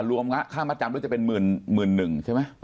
รวมค่ามาตรยามด้วยจะเป็น๑๑๐๐๐ใช่ไหม